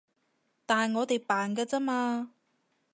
但我哋扮㗎咋嘛